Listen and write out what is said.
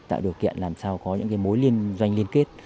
tạo điều kiện làm sao có những cái mối doanh liên kết